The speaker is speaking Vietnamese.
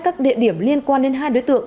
các địa điểm liên quan đến hai đối tượng